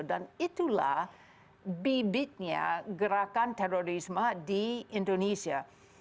dan itulah bibitnya gerakan terorisme di indonesia